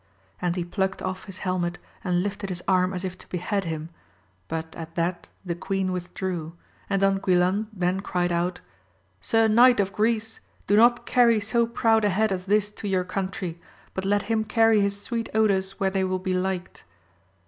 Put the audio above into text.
And he plucked ofi" his helmet and lifted his arm as if to behead him, but at that the queen withdrew ; and Don Guilan then cried out, Sir knight of Greece, do not carry so proud a head as this to your country, but let him carry his sweet odours where they will be liked.